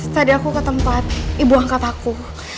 tadi aku ke tempat ibu angkat aku